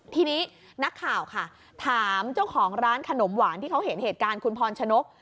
ทีนี้นักข่าวค่ะถามเจ้าของร้านขนมหวานที่เขาเห็นเหตุการณ์คุณพรชนก